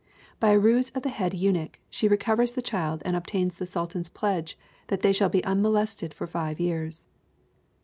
By a ruse of the head eunuch, she recovers the child and obtains the Sultan's pledge that they shall be unmolested for five years.